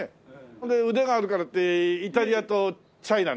ほんで腕があるからってイタリアとチャイナにした。